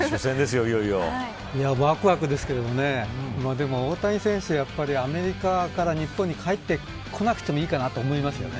わくわくですけどね大谷選手、やっぱりアメリカから日本に帰ってこなくてもいいかなと思いますよね。